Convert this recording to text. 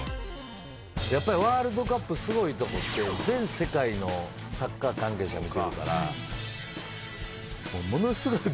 やっぱりワールドカップすごいとこって全世界のサッカー関係者が見てるからものすごいはい。